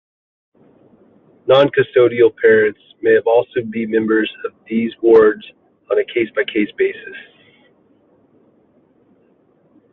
Non-custodial parents may also be members of these wards on a case-by-case basis.